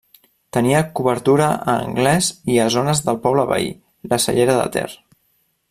Tenia cobertura a Anglès i a zones del poble veí, La Cellera de Ter.